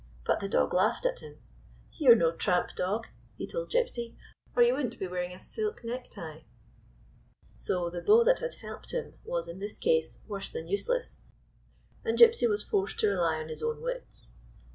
But the dog laughed at him. " You 're no tramp dog," he told Gypsy, "or you would n't be wearing a silk necktie !" So the bow that had helped him was, in this case, worse than useless, and Gypsy was forced to rely on his own wits.